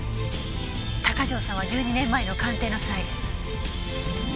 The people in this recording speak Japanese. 鷹城さんは１２年前の鑑定の際。